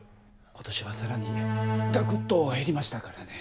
今年はさらにがくっと減りましたからね。